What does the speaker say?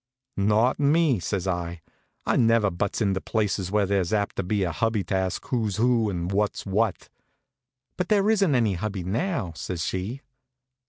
"Not me," says I. "I never butts into places where there's apt to be a hubby to ask who's who and what's what." "But there isn't any hubby now," says she.